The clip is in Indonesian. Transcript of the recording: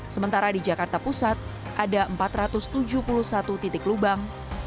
sementara di jakarta pusat ada empat ratus tujuh puluh satu titik lubang